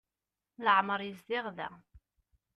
Leɛmer yezdiɣ da.